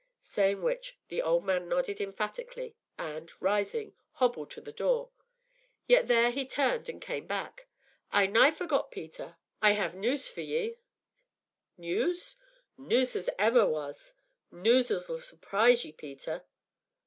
Saying which, the old man nodded emphatically and, rising, hobbled to the door; yet there he turned and came back again. "I nigh forgot, Peter, I have noos for ye." "News?" "Noos as ever was noos as'll surprise ye, Peter."